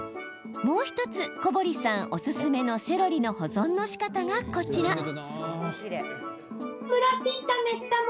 もう１つ、小堀さんおすすめのセロリの保存のしかたがこちら。